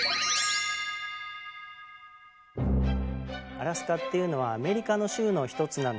アラスカっていうのはアメリカの州の１つなんです。